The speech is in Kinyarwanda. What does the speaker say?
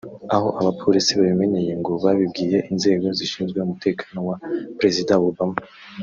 Aho abapolisi babimenyeye ngo babibwiye inzego zishinzwe umutekano wa Perezida Obama